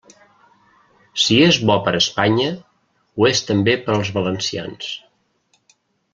Si és bo per a Espanya, ho és també per als valencians.